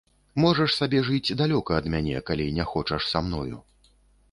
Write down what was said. Можаш сабе жыць далёка ад мяне, калі не хочаш са мною.